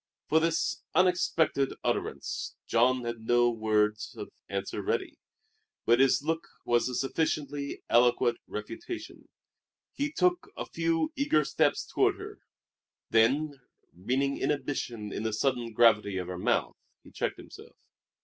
For this unexpected utterance Jean had no words of answer ready, but his look was a sufficiently eloquent refutation. He took a few eager steps toward her; then, reading inhibition in the sudden gravity of her mouth, he checked himself.